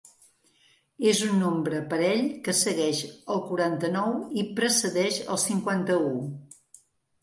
És un nombre parell que segueix el quaranta-nou i precedeix el cinquanta-u.